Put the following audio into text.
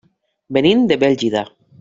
Venim de Bèlgida.